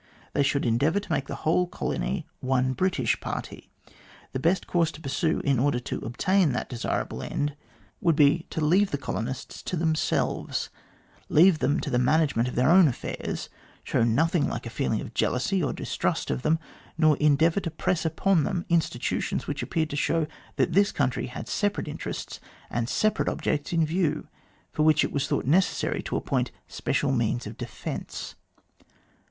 They should endeavour to make the whole colony one British party. The best course to pursue, in order to obtain that desirable end, would be to leave the MR GLADSTONE AND THE COLONIES 237 colonists to themselves leave them to the management of their own affairs, show nothing like a feeling of jealousy or distrust of them, nor endeavour to press upon them institu tions which appeared to show that this country had separate interests and separate objects in view, for which it was thought necessary to appoint special means of defence.